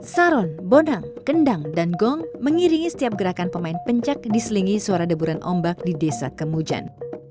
saron bonang kendang dan gong mengiringi setiap gerakan pemain pencak diselingi suara deburan ombak di desa kemujan